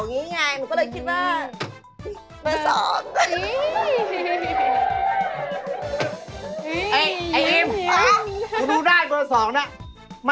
อย่างงี้ไงหนูก็เลยคิดว่า